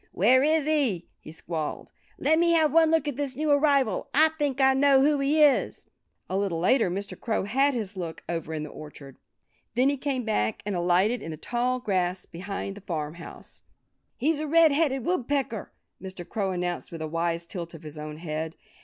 "Where is he?" he squalled. "Let me have one look at this new arrival! I think I know who he is." A little later Mr. Crow had his look, over in the orchard. Then he came back and alighted in the tall grass behind the farmhouse. "He's a Red headed Woodpecker," Mr. Crow announced with a wise tilt of his own head.